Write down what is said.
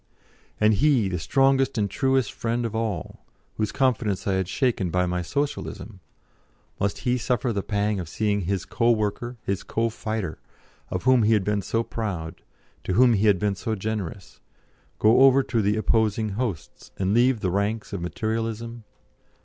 And he, the strongest and truest friend of all, whose confidence I had shaken by my Socialism must he suffer the pang of seeing his co worker, his co fighter, of whom he had been so proud, to whom he had been so generous, go over to the opposing hosts, and leave the ranks of Materialism?